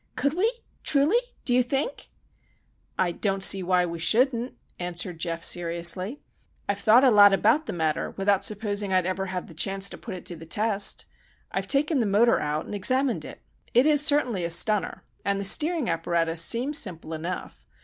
"Could we? truly, do you think?" "I don't see why we shouldn't," answered Geof, seriously. "I've thought a lot about the matter, without supposing I'd ever have the chance to put it to the test. I've taken the motor out, and examined it. It is certainly a stunner; and the steering apparatus seems simple enough.